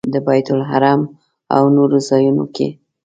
د بیت الله حرم او نورو ځایونو کې.